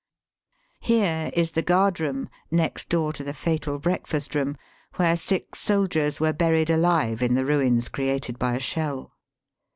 Here is the guard room, next door to the fatal breakfast room, where six soldiers were buried alive in the ruins created by a shell.